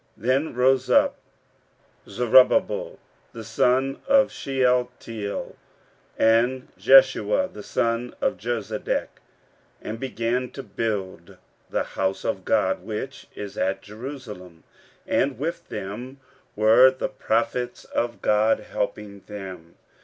15:005:002 Then rose up Zerubbabel the son of Shealtiel, and Jeshua the son of Jozadak, and began to build the house of God which is at Jerusalem: and with them were the prophets of God helping them.